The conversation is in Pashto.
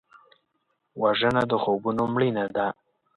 وژنه د خوبونو مړینه ده